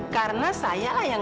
karena saya yang menyebabkan